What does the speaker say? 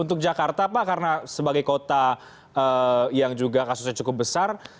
untuk jakarta pak karena sebagai kota yang juga kasusnya cukup besar